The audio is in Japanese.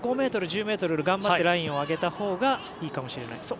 もう５ｍ、１０ｍ頑張ってラインを上げたほうがいいかもしれない。